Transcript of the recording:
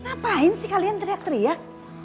ngapain sih kalian teriak teriak